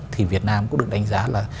thì việt nam cũng được đánh giá là